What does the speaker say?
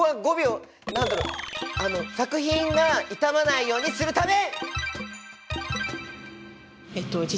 作品が傷まないようにするため！